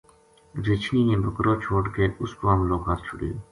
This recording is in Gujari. رچھنی نے بکرو چھوڈ کے اس پو حملو کر چھُڑیو